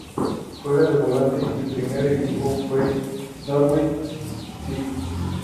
Juega de volante y su primer equipo fue Norwich City.